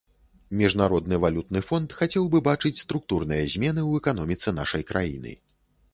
Міжнародны валютны фонд хацеў бы бачыць структурныя змены ў эканоміцы нашай краіны.